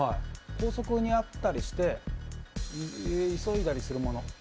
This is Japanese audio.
校則にあったりして急いだりするもの。